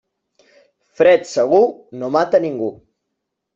Fred segur no mata ningú.